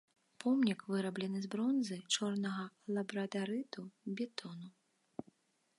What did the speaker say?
Помнік выраблены з бронзы, чорнага лабрадарыту, бетону.